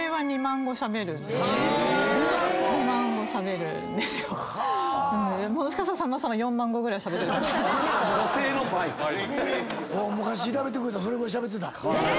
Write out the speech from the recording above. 昔調べてくれたらそれぐらいしゃべってた。